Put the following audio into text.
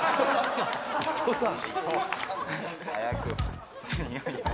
早く。